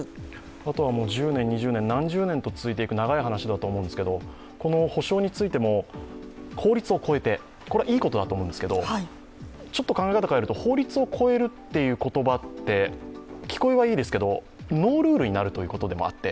あとは１０年、２０年、何十年と続いていく長い話だと思うんですけど、補償についても法律を超えて、これはいいことだと思うんですけど考え方変えると、法律を超えるって言葉って聞こえはいいですけどノールールになるということでもあって。